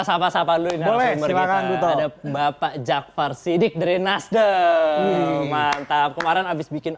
sapa sapa dulu boleh silakan butuh bapak jaqfar siddiq dari nasdaq mantap kemarin habis bikin